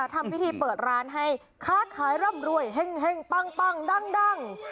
ทำพิธีเปิดร้านให้ค้าขายร่ำรวยเฮ่งปังดัง